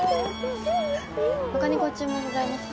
他にご注文ございますか？